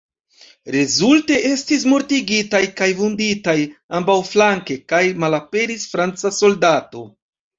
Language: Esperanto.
Rezulte estis mortigitaj kaj vunditaj ambaŭflanke, kaj malaperis franca soldato.